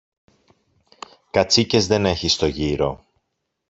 Κατσίκες δεν έχει στο γύρο!